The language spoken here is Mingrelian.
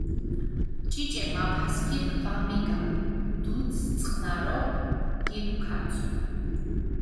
ჭიჭე მაფასქირქ ვამიგამჷ, დუდს წყჷნარო გილუქანცუ.